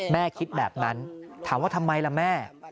แม่คิดแบบนั้นถามว่าทำไมล่ะแม่